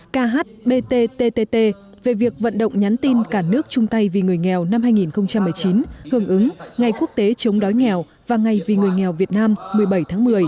khbtt về việc vận động nhắn tin cả nước chung tay vì người nghèo năm hai nghìn một mươi chín hưởng ứng ngày quốc tế chống đói nghèo và ngày vì người nghèo việt nam một mươi bảy tháng một mươi